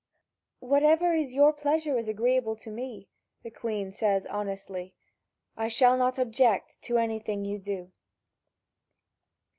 "Whatever is your pleasure is agreeable to me," the Queen says honestly: "I shall not object to anything you do."